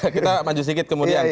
kita maju sedikit kemudian